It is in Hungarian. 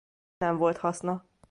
Nem volt haszna.